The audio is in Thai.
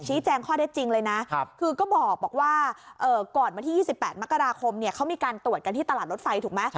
แจ้งข้อได้จริงเลยนะคือก็บอกว่าก่อนวันที่๒๘มกราคมเนี่ยเขามีการตรวจกันที่ตลาดรถไฟถูกไหม